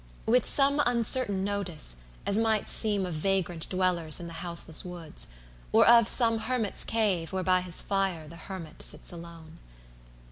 With some uncertain notice, as might seem Of vagrant dwellers in the houseless woods, 20 Or of some Hermit's cave, where by his fire The Hermit sits alone.